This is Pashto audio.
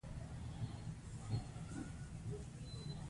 ځینې یې پر بایسکل استانبول ته سفر وکړ.